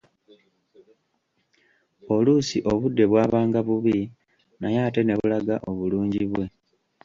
Oluusi obudde bwabanga bubi, naye ate ne bulaga obulungi bwe.